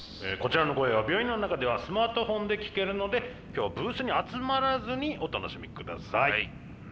こちらの声は病院の中ではスマートフォンで聴けるので今日はブースに集まらずにお楽しみください。